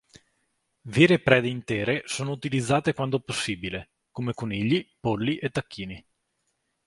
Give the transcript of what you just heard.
Vere prede intere sono utilizzate quando possibile, come conigli, polli e tacchini.